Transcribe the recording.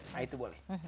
nah itu boleh